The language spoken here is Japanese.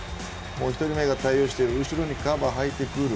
１人目が対応して後ろにカバーが入ってくる。